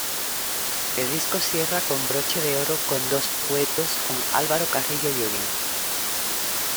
El disco cierra con broche de oro con dos duetos con Alvaro Carrillo Jr.